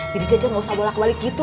jadi cece gak usah bolak balik gitu